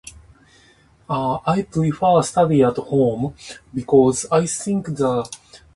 一期一会